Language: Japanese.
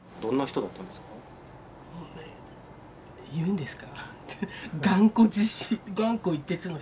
言うんですか？